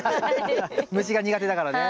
虫が苦手だからね。